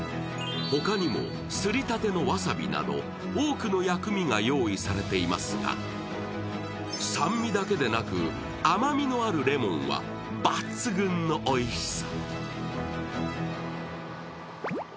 ほかにもすりたてのわさびなど多くの薬味が用意されていますが酸味だけでなく、甘みのあるレモンは抜群のおいしさ。